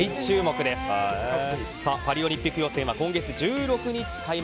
パリオリンピック予選は今月１６日開幕。